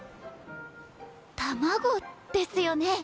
卵ですよね？